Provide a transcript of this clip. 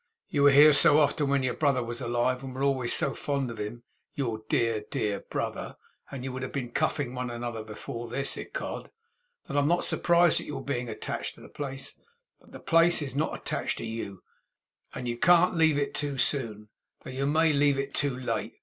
You were here so often when your brother was alive, and were always so fond of him (your dear, dear brother, and you would have been cuffing one another before this, ecod!), that I am not surprised at your being attached to the place; but the place is not attached to you, and you can't leave it too soon, though you may leave it too late.